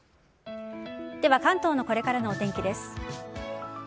では関東のこれからのお天気です。